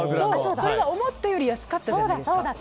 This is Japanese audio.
それが思ったより安かったじゃないですか。